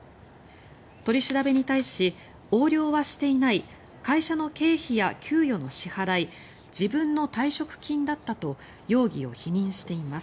取り調べに対し横領はしていない会社の経費や給与の支払い自分の退職金だったと容疑を否認しています。